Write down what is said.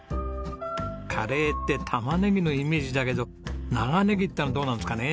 カレーって玉ねぎのイメージだけど長ネギっていうのはどうなんですかね？